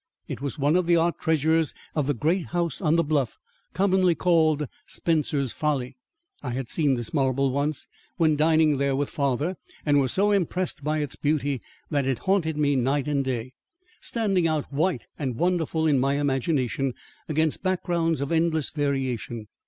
It was one of the art treasures of the great house on the bluff commonly called Spencer's Folly. I had seen this marble once, when dining there with father, and was so impressed by its beauty, that it haunted me night and day, standing out white and wonderful in my imagination, against backgrounds of endless variation.